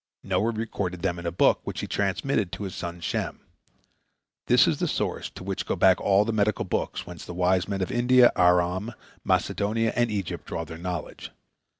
Noah recorded them in a book, which he transmitted to his son Shem. This is the source to which go back all the medical books whence the wise men of India, Aram, Macedonia, and Egypt draw their knowledge.